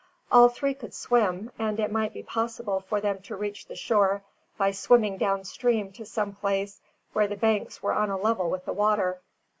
All three could swim, and it might be possible for them to reach the shore by swimming down stream to some place where the banks were on a level with the water.